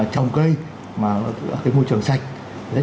trồng cây mà cái môi trường sạch rất